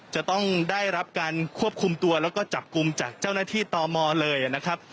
จะต้องได้รับการควบคุมตัวแล้วก็จับกลุ่มจากเจ้าหน้าที่ตมเลยนะครับ